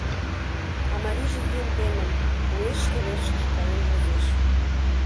А марийже йӱын темын, уэш шке верышкыже каен возеш.